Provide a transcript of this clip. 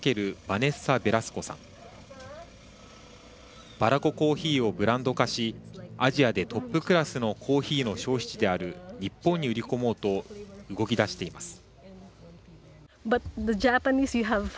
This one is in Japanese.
バラココーヒーをブランド化しアジアでトップクラスのコーヒーの消費地である日本に売り込もうと動きだしています。